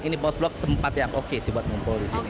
ini post blok sempat yang oke sih buat ngumpul di sini